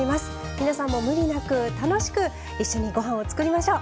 皆さんもムリなく楽しく一緒にごはんを作りましょう。